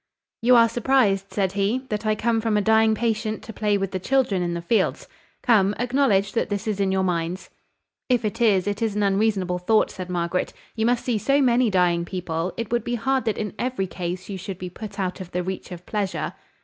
"You are surprised," said he, "that I am come from a dying patient to play with the children in the fields. Come, acknowledge that this is in your minds." "If it is, it is an unreasonable thought," said Margaret. "You must see so many dying people, it would be hard that in every case you should be put out of the reach of pleasure."